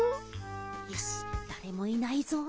よしだれもいないぞ。